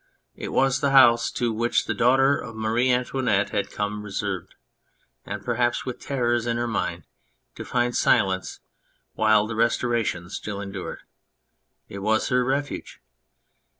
It was the house to which the daughter of Marie Antoinette had come, reserved, and perhaps with terrors in her mind, to find silence while the restoration still endured. It was her refuge.